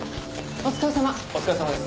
お疲れさまです。